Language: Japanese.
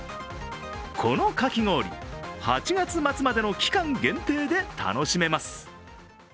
このかき氷、８月までの期間限定で楽しめます。